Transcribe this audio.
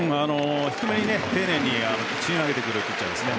低めに丁寧に投げてくるピッチャーですね。